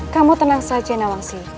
kamu tenang saja nawangsi